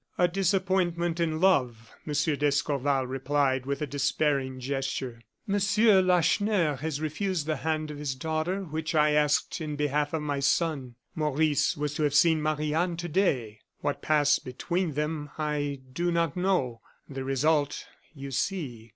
"A disappointment in love," M. d'Escorval replied, with a despairing gesture. "Monsieur Lacheneur has refused the hand of his daughter, which I asked in behalf of my son. Maurice was to have seen Marie Anne to day. What passed between them I do not know. The result you see."